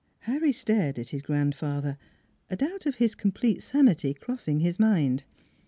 Harry stared at his grandfather, a doubt of his complete sanity crossing his mind.